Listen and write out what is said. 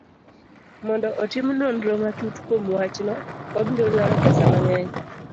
Mondo otim nonro matut kuom wachno, wabiro dwaro pesa mang'eny.